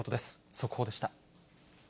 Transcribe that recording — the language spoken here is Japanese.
速報でした。